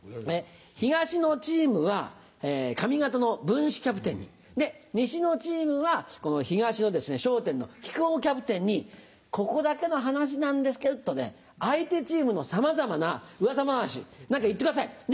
東のチームは上方の文枝キャプテンに西のチームは東の『笑点』の木久扇キャプテンに「ここだけの話なんですけど」とね相手チームのさまざまなうわさ話何か言ってください。